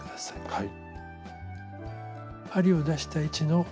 はい。